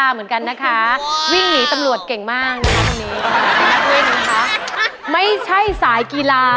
เมืองกาลก็เคยไปอยู่ธรรมกา